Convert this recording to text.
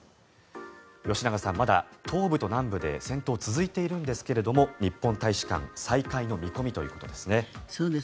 吉永さん、まだ東部と南部で戦闘は続いているんですが日本大使館再開の見込みということですね。